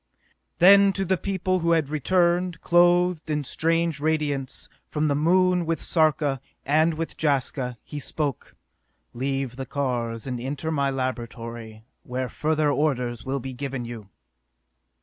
Then to the people who had returned, clothed in strange radiance, from the Moon with Sarka and with Jaska he spoke: "Leave the cars and enter my laboratory, where further orders will be given you!"